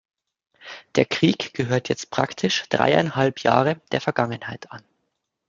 Der Krieg gehört jetzt praktisch dreieinhalb Jahre der Vergangenheit an.